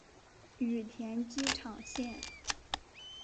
羽田机场线